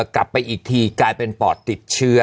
กลับไปอีกทีกลายเป็นปอดติดเชื้อ